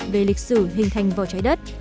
về lịch sử hình thành vào trái đất